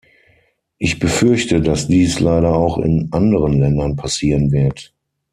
Ich befürchte, dass dies leider auch in anderen Ländern passieren wird.